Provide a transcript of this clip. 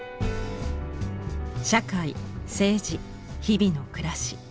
社会政治日々の暮らし。